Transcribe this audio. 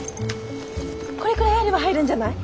これくらいあれば入るんじゃない？